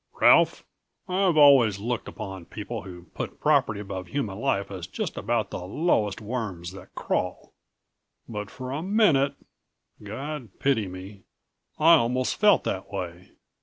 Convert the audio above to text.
"Ralph, I've always looked upon people who put property above human life as just about the lowest worms that crawl. But for a minute God pity me I almost felt that way.